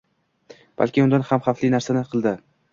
balki undan ham xavfli narsani qildi